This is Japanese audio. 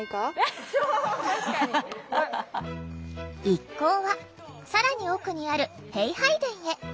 一行は更に奥にある幣拝殿へ。